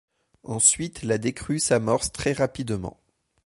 Ensuite la décrue s'amorce très rapidement.